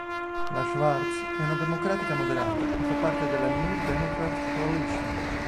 La Schwartz è una democratica moderata e fa parte della New Democrat Coalition.